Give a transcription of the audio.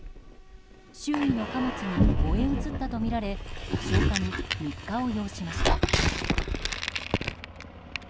周囲の貨物に燃え移ったとみられ消火に３日を要しました。